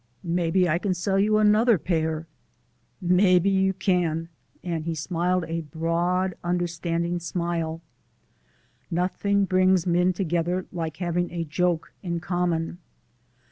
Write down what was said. Maybe I can sell you another pair!" "Maybe you kin," and he smiled a broad, understanding smile. Nothing brings men together like having a joke in common.